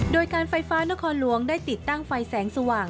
โดยการไฟฟ้านครหลวงได้ติดตั้งไฟแสงสว่าง